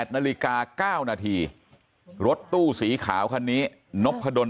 นาฬิกา๙นาทีรถตู้สีขาวคันนี้นพดล